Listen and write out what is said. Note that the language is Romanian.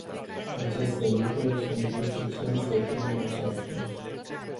Aceste lucruri sunt suficiente să te năucească.